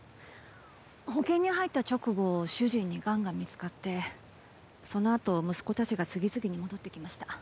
保険に入った直後主人にガンが見つかってその後息子たちが次々に戻って来ました。